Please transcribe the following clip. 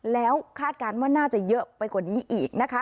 แล้วคาดการณ์ว่าน่าจะเยอะไปกว่านี้อีกนะคะ